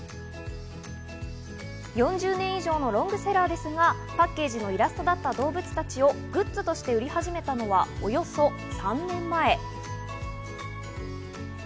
４０年以上のロングセラーですがパッケージのイラストだったどうぶつ達をグッズとして売り始めたのはおよそ３年前。